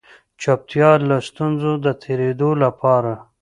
چوپتيا له ستونزو د تېرېدلو لپاره